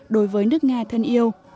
đối với nước nga thân yêu